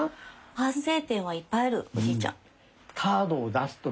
反省点はいっぱいあるおじいちゃん。